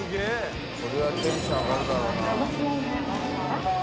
「これはテンション上がるだろうな」